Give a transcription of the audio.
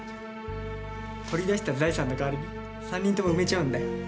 掘り出した財産の代わりに３人とも埋めちゃうんだ。